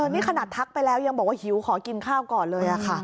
นี่ขนาดทักไปแล้วยังบอกว่าหิวขอกินข้าวก่อนเลยค่ะ